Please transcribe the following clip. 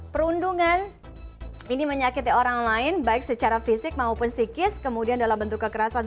perundungan ini menyakiti orang lain baik secara fisik maupun psikis kemudian dalam bentuk kekerasan